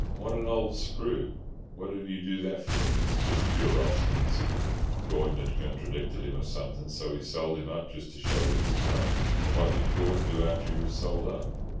"What an old screw! What did he do that for?" "Just pure obstinacy—Gordon had contradicted him or something, so he sold him up just to show which was right." "And what did Gordon do after he was sold up?"